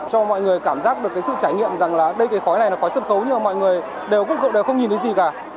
cho mọi người cảm giác được cái sự trải nghiệm rằng là đây cái khói này là khói sân khấu nhưng mà mọi người đều ví dụ đều không nhìn thấy gì cả